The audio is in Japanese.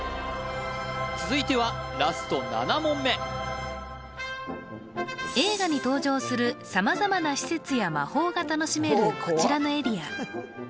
続いてはラスト７問目映画に登場する様々な施設や魔法が楽しめるこちらのエリア